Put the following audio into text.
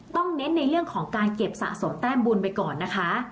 เน้นในเรื่องของการเก็บสะสมแต้มบุญไปก่อนนะคะ